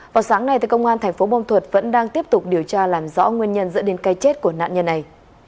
vào sáng nay công an thành phố bôn thuật vẫn đang tiếp tục điều tra làm rõ nguyên nhân dẫn đến cây chết của nạn nhân này